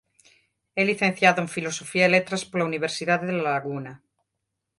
É licenciado en Filosofía e Letras pola Universidade de La Laguna.